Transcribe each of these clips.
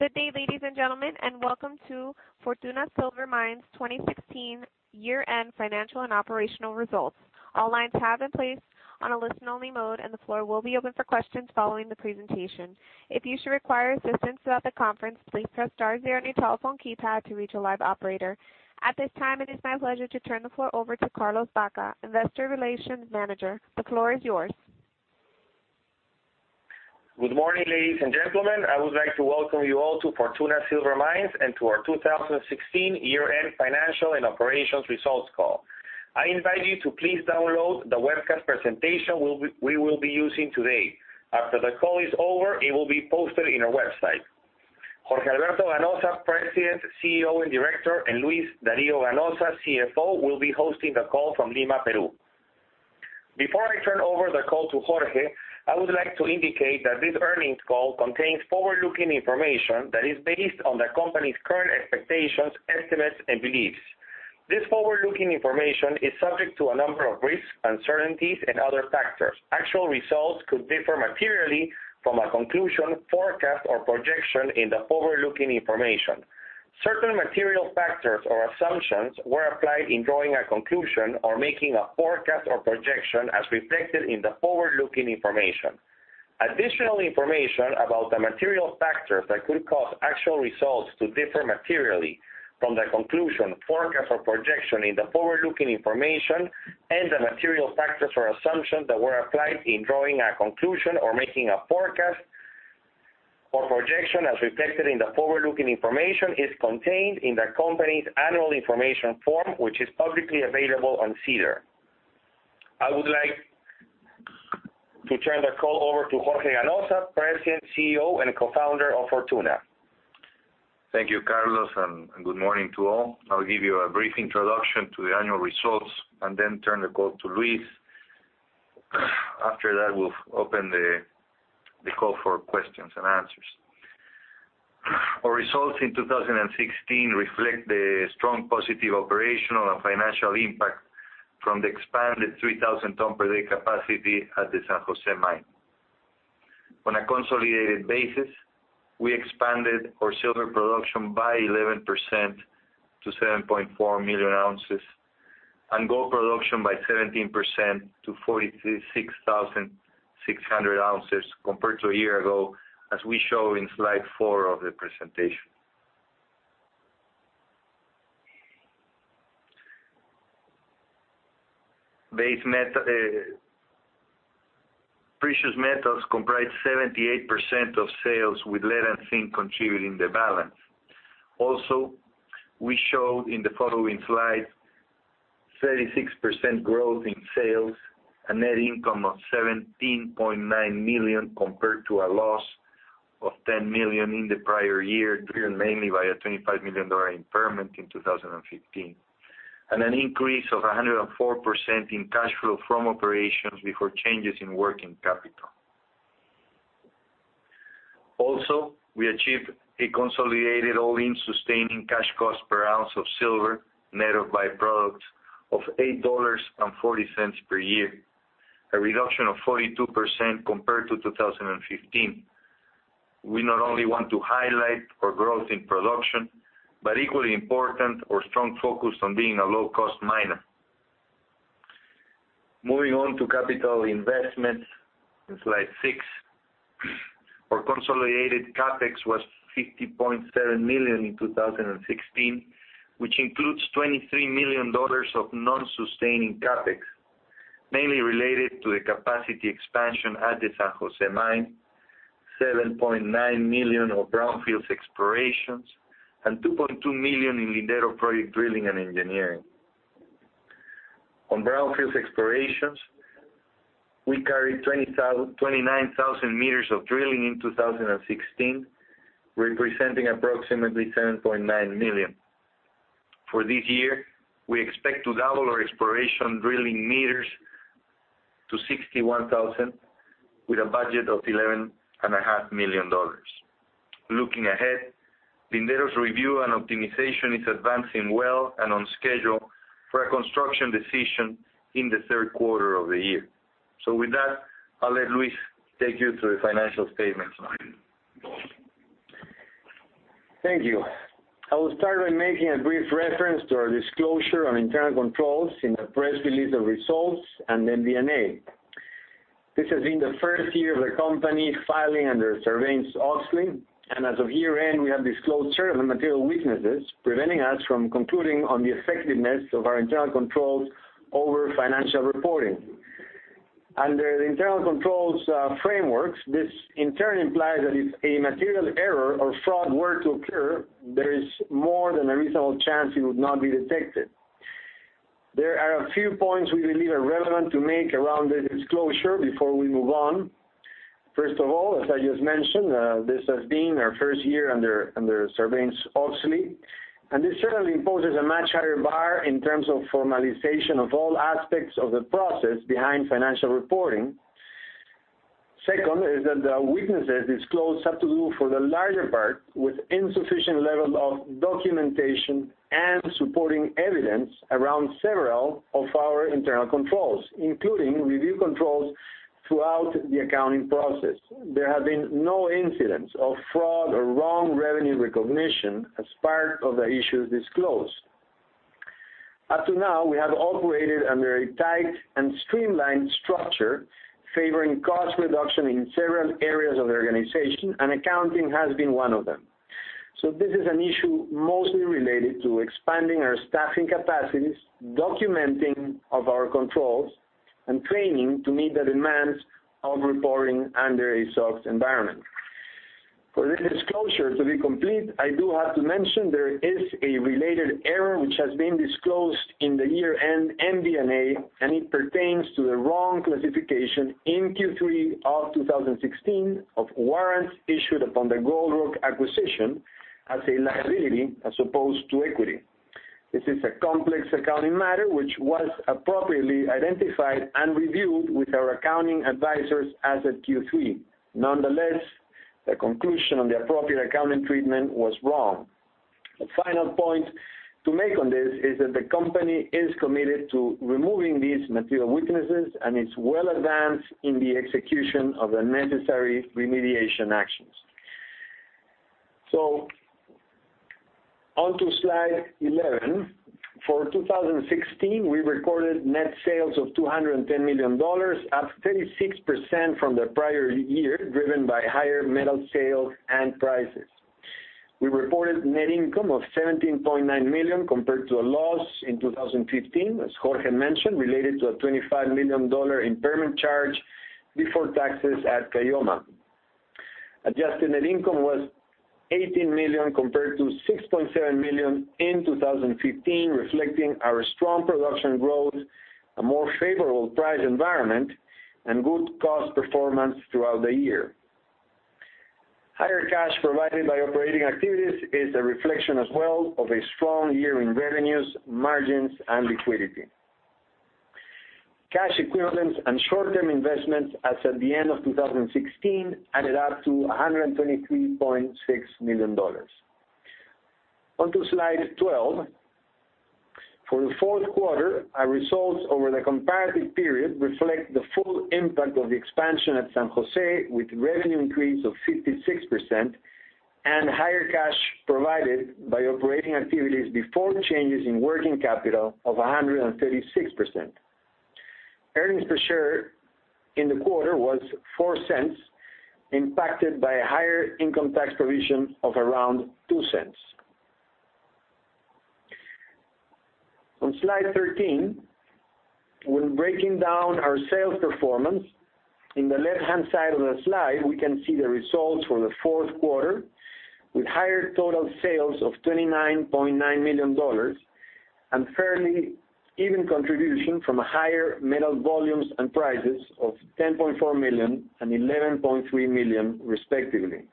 Good day, ladies and gentlemen, and welcome to Fortuna Silver Mines 2016 year-end financial and operational results. All lines have been placed on a listen-only mode, and the floor will be open for questions following the presentation. If you should require assistance throughout the conference, please press star zero on your telephone keypad to reach a live operator. At this time, it is my pleasure to turn the floor over to Carlos Baca, Investor Relations Manager. The floor is yours. Good morning, ladies and gentlemen. I would like to welcome you all to Fortuna Silver Mines and to our 2016 year-end financial and operations results call. I invite you to please download the webcast presentation we will be using today. After the call is over, it will be posted on our website. Jorge Alberto Ganoza, President, CEO, and Director, and Luis Dario Ganoza, CFO, will be hosting the call from Lima, Peru. Before I turn over the call to Jorge, I would like to indicate that this earnings call contains forward-looking information that is based on the company's current expectations, estimates, and beliefs. This forward-looking information is subject to a number of risks, uncertainties, and other factors. Actual results could differ materially from a conclusion, forecast, or projection in the forward-looking information. Certain material factors or assumptions were applied in drawing a conclusion or making a forecast or projection as reflected in the forward-looking information. Additional information about the material factors that could cause actual results to differ materially from the conclusion, forecast, or projection in the forward-looking information, and the material factors or assumptions that were applied in drawing a conclusion or making a forecast or projection as reflected in the forward-looking information is contained in the company's annual information form, which is publicly available on SEDAR. I would like to turn the call over to Jorge Ganoza, President, CEO, and Co-founder of Fortuna. Thank you, Carlos, and good morning to all. I will give you a brief introduction to the annual results and then turn the call to Luis. After that, we'll open the call for questions and answers. Our results in 2016 reflect the strong positive operational and financial impact from the expanded 3,000 ton per day capacity at the San Jose mine. On a consolidated basis, we expanded our silver production by 11% to 7.4 million ounces, and gold production by 17% to 46,600 ounces compared to a year ago, as we show in slide four of the presentation. Precious metals comprised 78% of sales, with lead and zinc contributing the balance. We showed in the following slide 36% growth in sales and net income of $17.9 million, compared to a loss of $10 million in the prior year, driven mainly by a $25 million impairment in 2015, and an increase of 104% in cash flow from operations before changes in working capital. We achieved a consolidated all-in sustaining cash cost per ounce of silver, net of byproducts, of $8.40 per year. A reduction of 42% compared to 2015. We not only want to highlight our growth in production, but equally important, our strong focus on being a low-cost miner. Moving on to capital investments in slide six. Our consolidated CapEx was $50.7 million in 2016, which includes $23 million of non-sustaining CapEx, mainly related to the capacity expansion at the San Jose mine, $7.9 million of brownfields explorations, and $2.2 million in Lindero project drilling and engineering. On brownfields explorations, we carried 29,000 meters of drilling in 2016, representing approximately $7.9 million. For this year, we expect to double our exploration drilling meters to 61,000, with a budget of $11.5 million. Looking ahead, Lindero's review and optimization is advancing well and on schedule for a construction decision in the third quarter of the year. With that, I'll let Luis take you through the financial statements now. Thank you. I will start by making a brief reference to our disclosure on internal controls in the press release of results and then MD&A. This has been the first year of the company filing under Sarbanes-Oxley, and as of year-end, we have disclosed certain material weaknesses preventing us from concluding on the effectiveness of our internal controls over financial reporting. Under the internal controls frameworks, this in turn implies that if a material error or fraud were to occur, there is more than a reasonable chance it would not be detected. There are a few points we believe are relevant to make around the disclosure before we move on. First of all, as I just mentioned, this has been our first year under Sarbanes-Oxley, and this certainly imposes a much higher bar in terms of formalization of all aspects of the process behind financial reporting. Second is that the weaknesses disclosed have to do, for the larger part, with insufficient levels of documentation and supporting evidence around several of our internal controls, including review controls. Throughout the accounting process, there have been no incidents of fraud or wrong revenue recognition as part of the issues disclosed. Up to now, we have operated under a tight and streamlined structure favoring cost reduction in several areas of the organization, and accounting has been one of them. This is an issue mostly related to expanding our staffing capacities, documenting of our controls, and training to meet the demands of reporting under a SOX environment. For this disclosure to be complete, I do have to mention there is a related error which has been disclosed in the year-end MD&A, and it pertains to the wrong classification in Q3 of 2016 of warrants issued upon the Goldrock Mines acquisition as a liability as opposed to equity. This is a complex accounting matter which was appropriately identified and reviewed with our accounting advisors as of Q3. Nonetheless, the conclusion on the appropriate accounting treatment was wrong. The final point to make on this is that the company is committed to removing these material weaknesses and is well advanced in the execution of the necessary remediation actions. On to slide 11. For 2016, we recorded net sales of $210 million, up 36% from the prior year, driven by higher metal sales and prices. We reported net income of $17.9 million compared to a loss in 2015, as Jorge mentioned, related to a $25 million impairment charge before taxes at Caylloma. Adjusted net income was $18 million compared to $6.7 million in 2015, reflecting our strong production growth, a more favorable price environment, and good cost performance throughout the year. Higher cash provided by operating activities is a reflection as well of a strong year in revenues, margins, and liquidity. Cash equivalents and short-term investments as of the end of 2016 added up to $123.6 million. On to slide 12. For the fourth quarter, our results over the comparative period reflect the full impact of the expansion at San José, with revenue increase of 56% and higher cash provided by operating activities before changes in working capital of 136%. Earnings per share in the quarter was $0.04, impacted by a higher income tax provision of around $0.02. On slide 13, when breaking down our sales performance, in the left-hand side of the slide, we can see the results for the fourth quarter with higher total sales of $29.9 million and fairly even contribution from higher metal volumes and prices of $10.4 million and $11.3 million, respectively.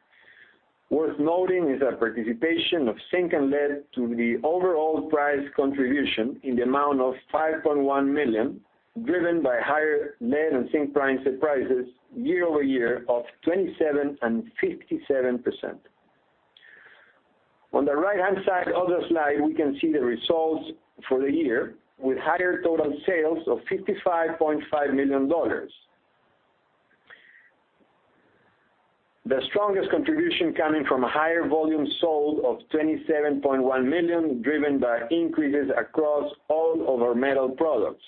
Worth noting is our participation of zinc and lead to the overall price contribution in the amount of $5.1 million, driven by higher lead and zinc prices year-over-year of 27% and 57%. On the right-hand side of the slide, we can see the results for the year with higher total sales of $55.5 million, the strongest contribution coming from higher volume sold of $27.1 million, driven by increases across all of our metal products.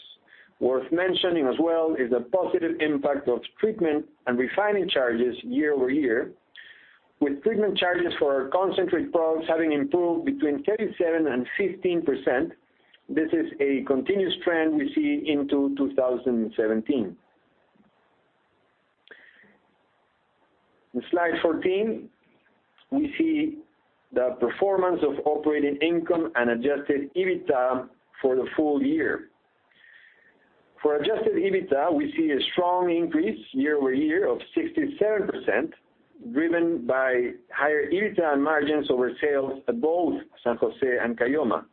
Worth mentioning as well is the positive impact of treatment and refining charges year over year, with treatment charges for our concentrate products having improved between 37% and 15%. This is a continuous trend we see into 2017. In slide 14, we see the performance of operating income and adjusted EBITDA for the full year. For adjusted EBITDA, we see a strong increase year-over-year of 67%, driven by higher EBITDA margins over sales at both San Jose and Caylloma.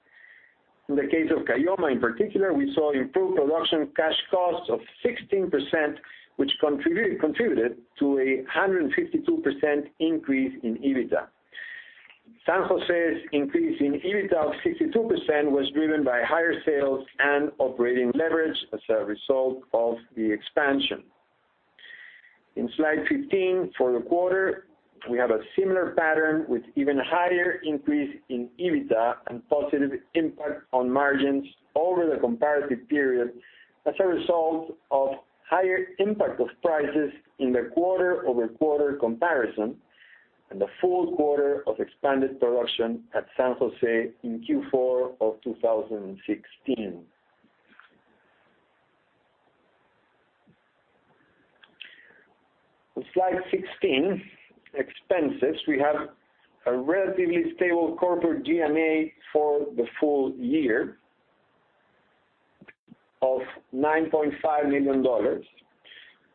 In the case of Caylloma in particular, we saw improved production cash costs of 16%, which contributed to a 152% increase in EBITDA. San Jose's increase in EBITDA of 62% was driven by higher sales and operating leverage as a result of the expansion. In slide 15 for the quarter, we have a similar pattern with even higher increase in EBITDA and positive impact on margins over the comparative period as a result of higher impact of prices in the quarter-over-quarter comparison and the full quarter of expanded production at San Jose in Q4 of 2016. On slide 16, expenses, we have a relatively stable corporate G&A for the full year of $9.5 million,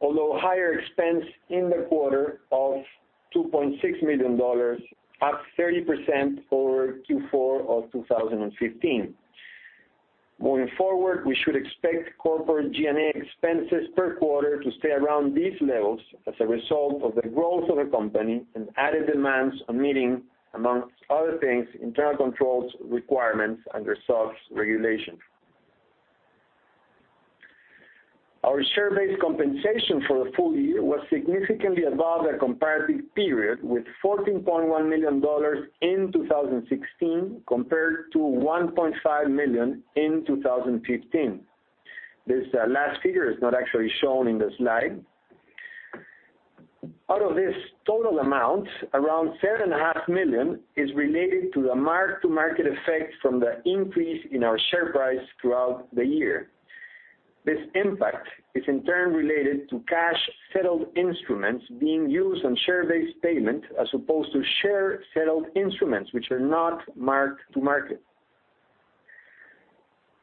although higher expense in the quarter of $2.6 million, up 30% over Q4 of 2015. Moving forward, we should expect corporate G&A expenses per quarter to stay around these levels as a result of the growth of the company and added demands on meeting, among other things, internal controls requirements under SOX regulations. Our share-based compensation for the full year was significantly above the comparative period, with $14.1 million in 2016 compared to $1.5 million in 2015. This last figure is not actually shown in the slide. Out of this total amount, around $7.5 million is related to the mark-to-market effect from the increase in our share price throughout the year. This impact is in turn related to cash-settled instruments being used on share-based payment as opposed to share settled instruments which are not marked to market.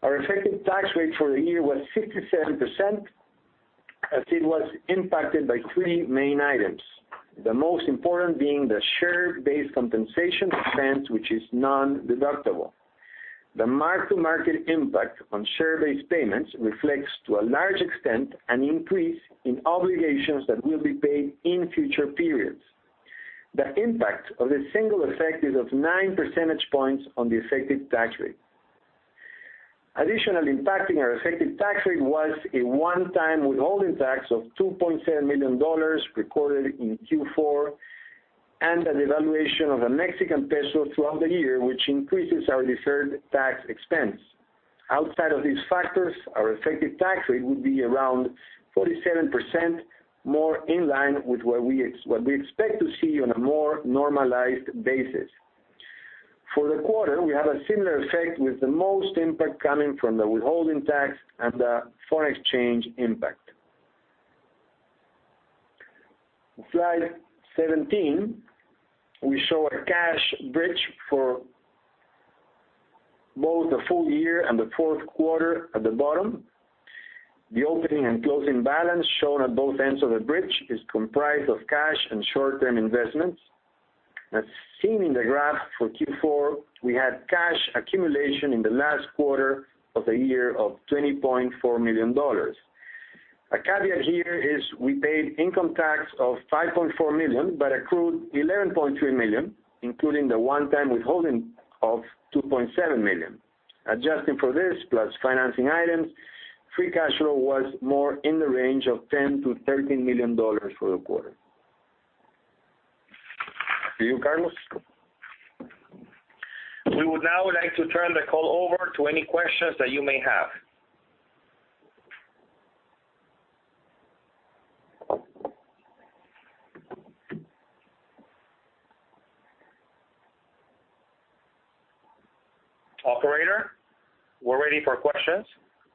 Our effective tax rate for the year was 67%, as it was impacted by three main items, the most important being the share-based compensation expense, which is non-deductible. The mark-to-market impact on share-based payments reflects, to a large extent, an increase in obligations that will be paid in future periods. The impact of this single effect is of nine percentage points on the effective tax rate. Additionally impacting our effective tax rate was a one-time withholding tax of $2.7 million recorded in Q4, and the devaluation of the Mexican peso throughout the year, which increases our deferred tax expense. Outside of these factors, our effective tax rate would be around 47%, more in line with what we expect to see on a more normalized basis. For the quarter, we have a similar effect with the most impact coming from the withholding tax and the foreign exchange impact. Slide 17, we show a cash bridge for both the full year and the fourth quarter at the bottom. The opening and closing balance shown at both ends of the bridge is comprised of cash and short-term investments. As seen in the graph for Q4, we had cash accumulation in the last quarter of the year of $20.4 million. A caveat here is we paid income tax of $5.4 million but accrued $11.3 million, including the one-time withholding of $2.7 million. Adjusting for this plus financing items, free cash flow was more in the range of $10 million-$13 million for the quarter. To you, Carlos. We would now like to turn the call over to any questions that you may have. Operator, we're ready for questions.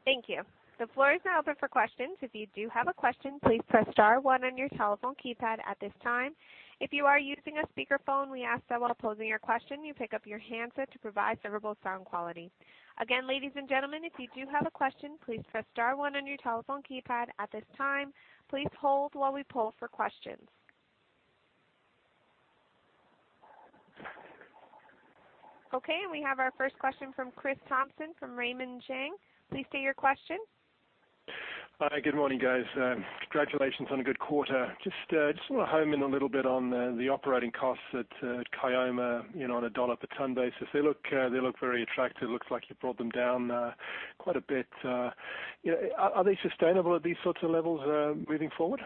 Thank you. The floor is now open for questions. If you do have a question, please press star one on your telephone keypad at this time. If you are using a speakerphone, we ask that while posing your question, you pick up your handset to provide favorable sound quality. Again, ladies and gentlemen, if you do have a question, please press star one on your telephone keypad at this time. Please hold while we poll for questions. Okay, we have our first question from Chris Thompson from Raymond James. Please state your question. Hi, good morning, guys. Congratulations on a good quarter. Just want to home in a little bit on the operating costs at Caylloma on a dollar per ton basis. They look very attractive. It looks like you brought them down quite a bit. Are they sustainable at these sorts of levels moving forward?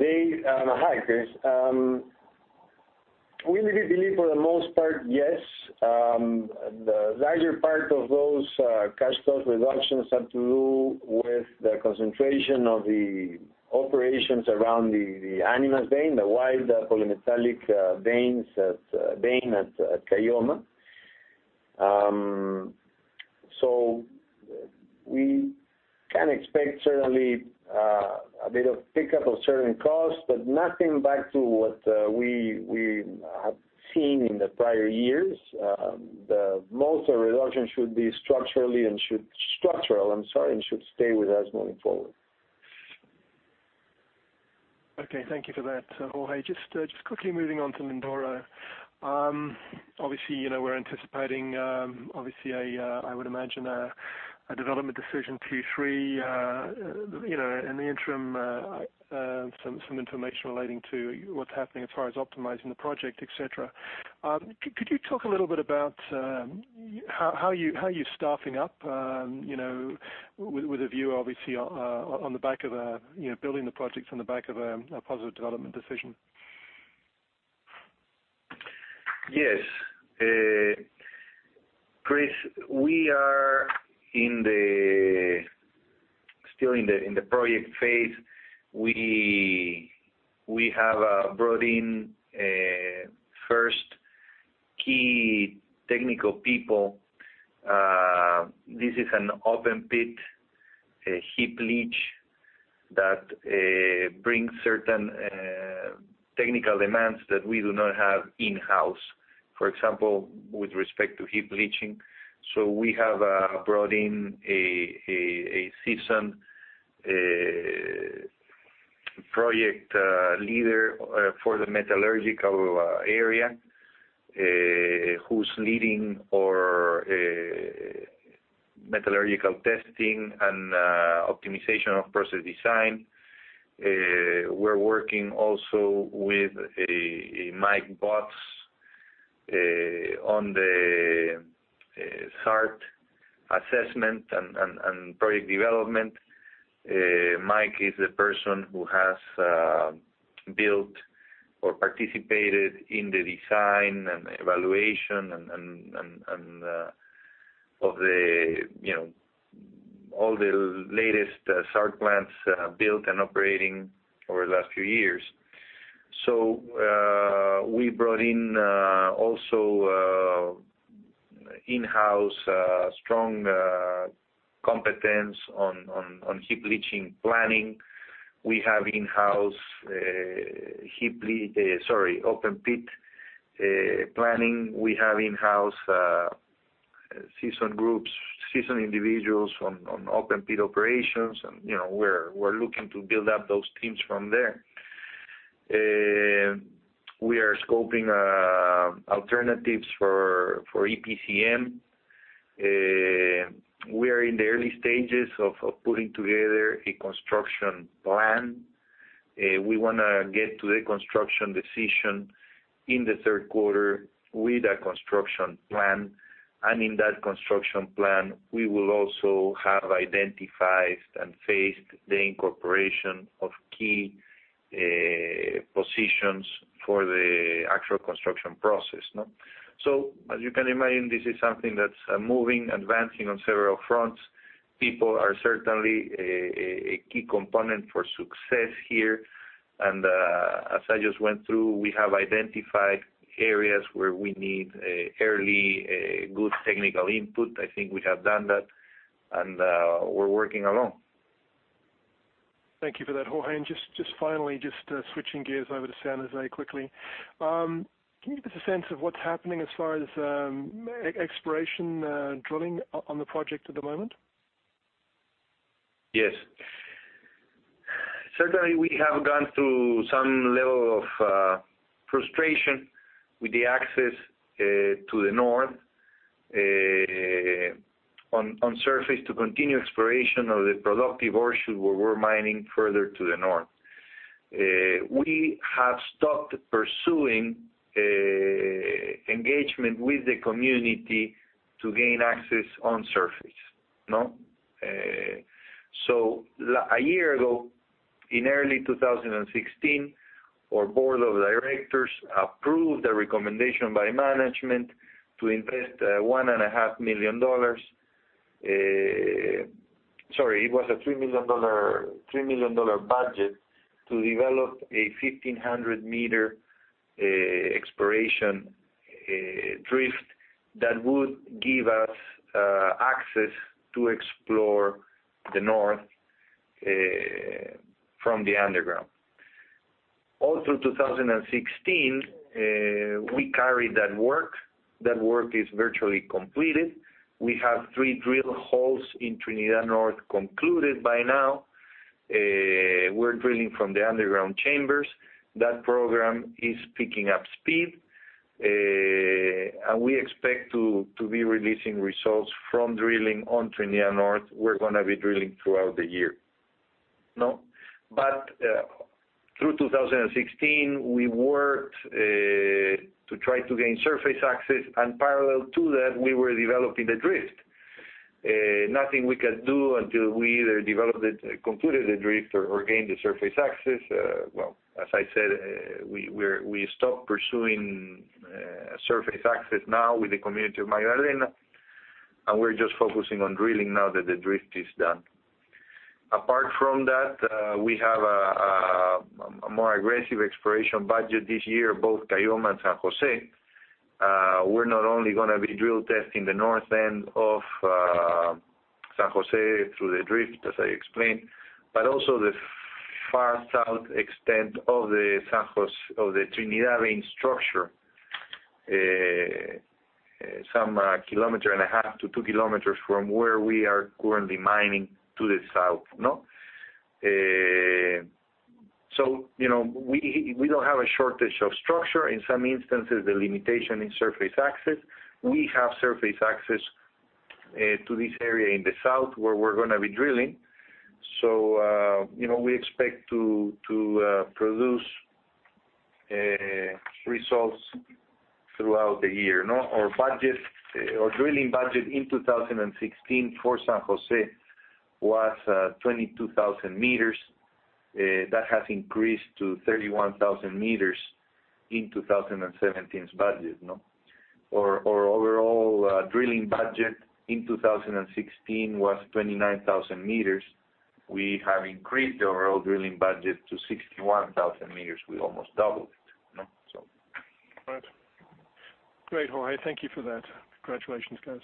Hi, Chris. We really believe for the most part, yes. The larger part of those cash flow reductions have to do with the concentration of the operations around the Animas vein, the wide polymetallic vein at Caylloma. We can expect certainly a bit of pickup of certain costs, but nothing back to what we have seen in the prior years. Most of the reduction should be structural and should stay with us moving forward. Okay. Thank you for that, Jorge. Just quickly moving on to Lindero. Obviously, we're anticipating, I would imagine, a development decision Q3. In the interim, some information relating to what's happening as far as optimizing the project, et cetera. Could you talk a little bit about how you're staffing up with a view, obviously, on building the projects on the back of a positive development decision? Yes. Chris, we are still in the project phase. We have brought in first key technical people. This is an open pit heap leach that brings certain technical demands that we do not have in-house. For example, with respect to heap leaching. We have brought in a seasoned project leader for the metallurgical area who's leading our metallurgical testing and optimization of process design. We're working also with Mike Botz on the SART assessment and project development. Mike is the person who has built or participated in the design and evaluation of all the latest SART plants built and operating over the last few years. We brought in also in-house strong competence on heap leaching planning. We have in-house open pit planning. We have in-house seasoned groups, seasoned individuals on open pit operations, and we're looking to build up those teams from there. We are scoping alternatives for EPCM. We are in the early stages of putting together a construction plan. We want to get to the construction decision in the third quarter with a construction plan, and in that construction plan, we will also have identified and faced the incorporation of key positions for the actual construction process. As you can imagine, this is something that's moving, advancing on several fronts. People are certainly a key component for success here. As I just went through, we have identified areas where we need early, good technical input. I think we have done that, and we're working along. Thank you for that, Jorge. Just finally, just switching gears over to San Jose quickly. Can you give us a sense of what's happening as far as exploration drilling on the project at the moment? Yes. Certainly, we have gone through some level of frustration with the access to the north, on surface to continue exploration of the productive ore shoot where we're mining further to the north. We have stopped pursuing engagement with the community to gain access on surface. A year ago, in early 2016, our board of directors approved a recommendation by management to invest $1.5 million. Sorry, it was a $3 million budget to develop a 1,500-meter exploration drift that would give us access to explore the north from the underground. All through 2016, we carried that work. That work is virtually completed. We have three drill holes in Trinidad North concluded by now. We're drilling from the underground chambers. That program is picking up speed. We expect to be releasing results from drilling on Trinidad North. We're going to be drilling throughout the year. Through 2016, we worked to try to gain surface access, and parallel to that, we were developing the drift. Nothing we could do until we either developed it, completed the drift or gained the surface access. Well, as I said, we stopped pursuing surface access now with the community of Magdalena, and we're just focusing on drilling now that the drift is done. Apart from that, we have a more aggressive exploration budget this year, both Caylloma and San Jose. We're not only going to be drill testing the north end of San Jose through the drift, as I explained, but also the far south extent of the Trinidad vein structure, 1.5 km-2 km from where we are currently mining to the south. We don't have a shortage of structure. In some instances, the limitation in surface access. We have surface access to this area in the south where we're going to be drilling. We expect to produce results throughout the year. Our drilling budget in 2016 for San Jose was 22,000 meters. That has increased to 31,000 meters in 2017's budget. Our overall drilling budget in 2016 was 29,000 meters. We have increased the overall drilling budget to 61,000 meters. We almost doubled it. Right. Great, Jorge. Thank you for that. Congratulations, guys.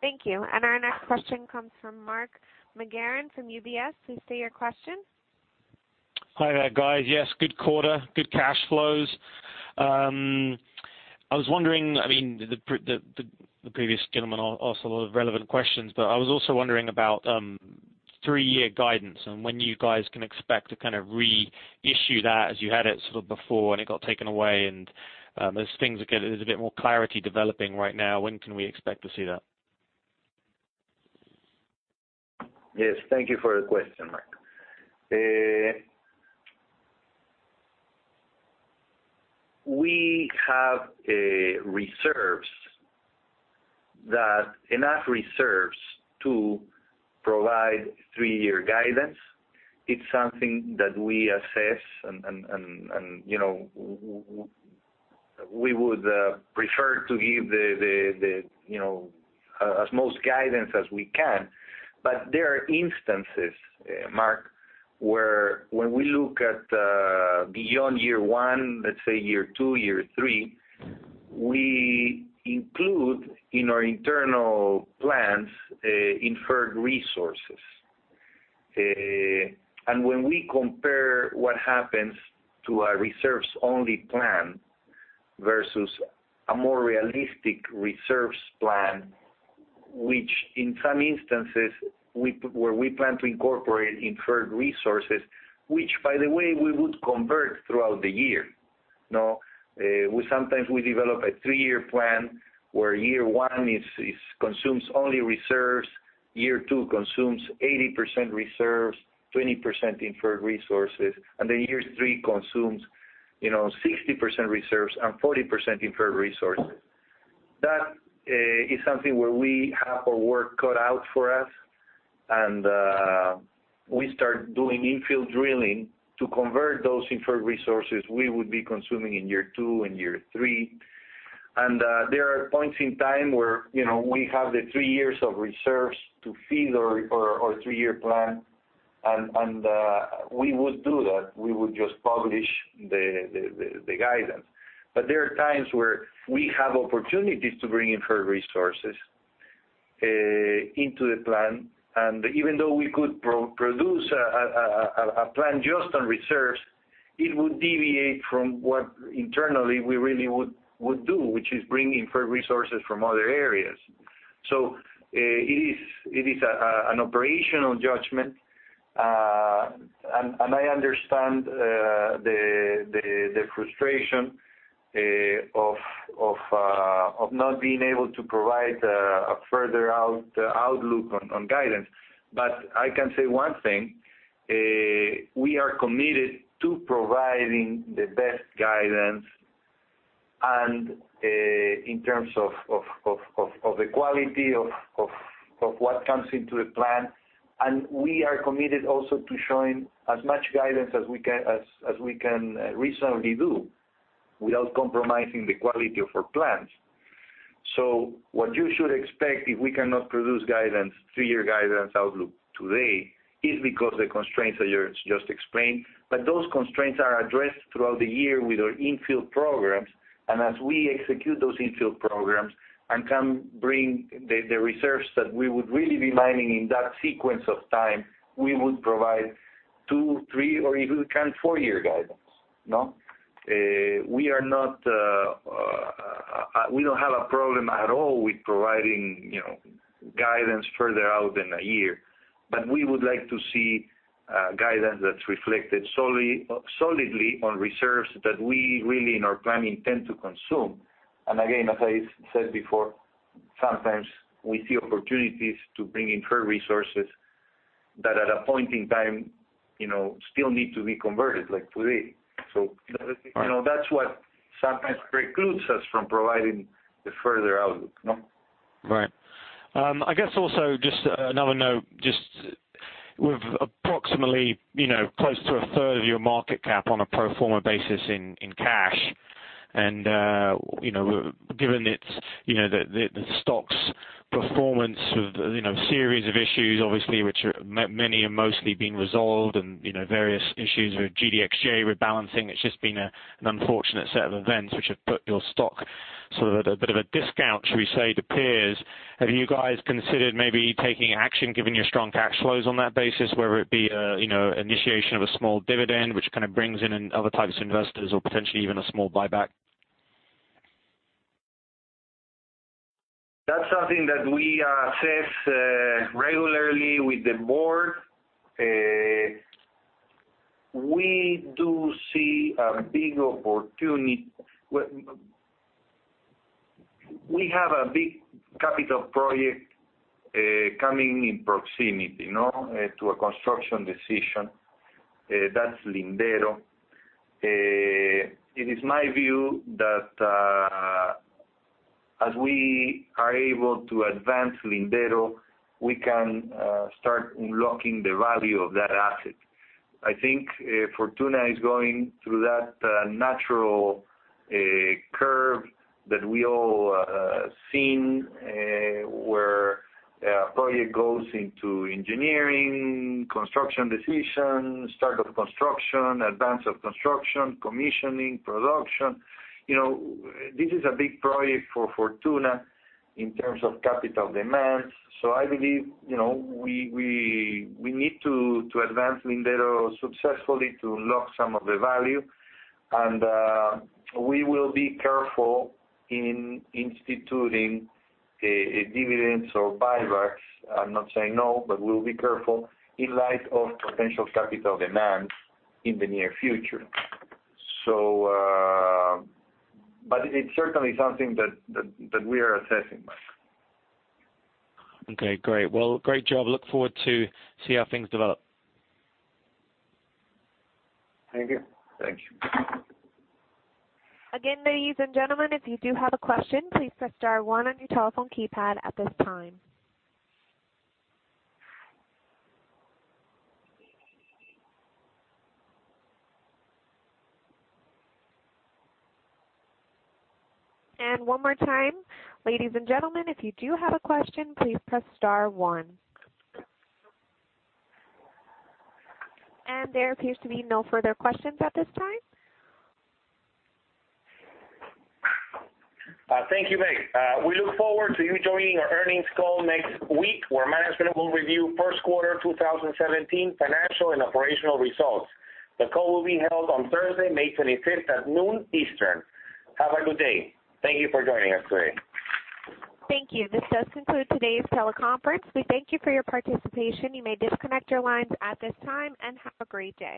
Thank you. Thank you. Our next question comes from Mark Magarian from UBS. Please state your question. Hi there, guys. Yes, good quarter, good cash flows. I was wondering, the previous gentleman asked a lot of relevant questions, but I was also wondering about. Three-year guidance, and when you guys can expect to reissue that as you had it before, and it got taken away, and as things get a little bit more clarity developing right now, when can we expect to see that? Yes. Thank you for the question, Mark. We have enough reserves to provide three-year guidance. It's something that we assess, and we would prefer to give as much guidance as we can. There are instances, Mark, where when we look at beyond year one, let's say year two, year three, we include in our internal plans inferred resources. When we compare what happens to our reserves-only plan versus a more realistic reserves plan, which in some instances, where we plan to incorporate inferred resources, which by the way, we would convert throughout the year. Sometimes we develop a three-year plan, where year one consumes only reserves, year two consumes 80% reserves, 20% inferred resources, and then year three consumes 60% reserves and 40% inferred resources. That is something where we have our work cut out for us, and we start doing in-field drilling to convert those inferred resources we would be consuming in year two and year three. There are points in time where we have the three years of reserves to feed our three-year plan, and we would do that. We would just publish the guidance. There are times where we have opportunities to bring inferred resources into the plan. Even though we could produce a plan just on reserves, it would deviate from what internally we really would do, which is bring inferred resources from other areas. It is an operational judgment, and I understand the frustration of not being able to provide a further out outlook on guidance. I can say one thing, we are committed to providing the best guidance, and in terms of the quality of what comes into the plan. We are committed also to showing as much guidance as we can reasonably do without compromising the quality of our plans. What you should expect if we cannot produce guidance, three-year guidance outlook today, is because the constraints that you just explained. Those constraints are addressed throughout the year with our in-field programs. As we execute those in-field programs and come bring the reserves that we would really be mining in that sequence of time, we would provide two, three, or if we can, four-year guidance. We don't have a problem at all with providing guidance further out than a year. We would like to see guidance that's reflected solidly on reserves that we really in our plan intend to consume. Again, as I said before, sometimes we see opportunities to bring inferred resources that at a point in time still need to be converted, like today. That's what sometimes precludes us from providing the further outlook. Right. I guess also just another note, just with approximately close to a third of your market cap on a pro forma basis in cash, and given the stock's performance with series of issues, obviously, which many have mostly been resolved and various issues with GDXJ rebalancing, it's just been an unfortunate set of events which have put your stock at a bit of a discount, should we say, to peers. Have you guys considered maybe taking action given your strong cash flows on that basis, whether it be initiation of a small dividend, which brings in other types of investors or potentially even a small buyback? That's something that we assess regularly with the board. We do see a big opportunity. We have a big capital project coming in proximity to a construction decision. That's Lindero. It is my view that as we are able to advance Lindero, we can start unlocking the value of that asset. I think Fortuna is going through that natural curve that we all seen, where a project goes into engineering, construction decisions, start of construction, advance of construction, commissioning, production. This is a big project for Fortuna in terms of capital demands. I believe, we need to advance Lindero successfully to unlock some of the value. We will be careful in instituting dividends or buybacks. I'm not saying no, but we'll be careful in light of potential capital demands in the near future. It's certainly something that we are assessing, Mark. Okay, great. Well, great job. Look forward to see how things develop. Thank you. Again, ladies and gentlemen, if you do have a question, please press star one on your telephone keypad at this time. One more time, ladies and gentlemen, if you do have a question, please press star one. There appears to be no further questions at this time. Thank you, Mae. We look forward to you joining our earnings call next week, where management will review first quarter 2017 financial and operational results. The call will be held on Thursday, May 25th at noon Eastern. Have a good day. Thank you for joining us today. Thank you. This does conclude today's teleconference. We thank you for your participation. You may disconnect your lines at this time, and have a great day.